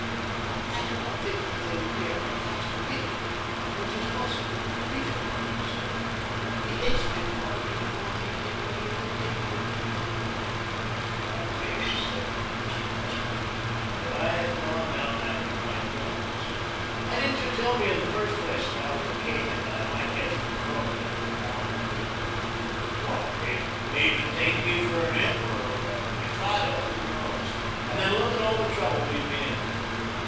"I do not think that they will dare lay hands on me, though it is possible that Peter might do so. He hates my father even more now than he did when the old king lived." "I wish," said Mr. Custer, "that I had gone down after my guns. Why didn't you tell me, in the first place, that I was a king, and that I might get you in trouble if you were found with me? Why, they may even take me for an emperor or a mikado—who knows? And then look at all the trouble we'd be in."